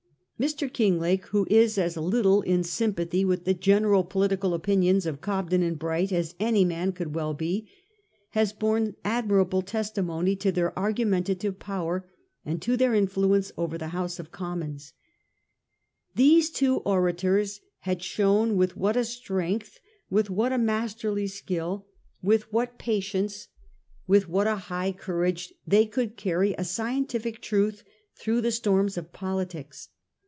Mr. Einglake, who is as little in sympathy with the general political opinions of Cobden and Bright as any man well could be, has borne admirable testimony to their argumentative power and to their influence over the House of Commons :' These two orators had shown with what a strength, with what a mas terly skill, with what patience, with what a high 846 A HISTORY OF OUR OWN TIMES. CH. XIV. courage they could carry a scientific truth through the storms of politics.